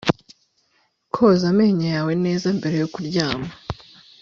Koza amenyo yawe neza mbere yo kuryama